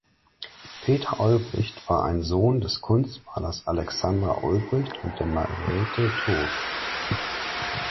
Peter Olbricht war ein Sohn des Kunstmalers Alexander Olbricht und der Margarete Thurow.